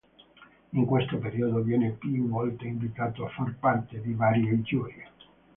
In questo periodo viene più volte invitato a far parte di varie giurie.